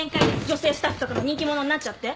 女性スタッフとかの人気者になっちゃって。